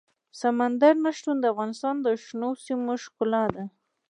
سمندر نه شتون د افغانستان د شنو سیمو ښکلا ده.